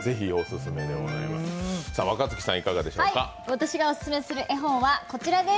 私がオススメする絵本はこちらです。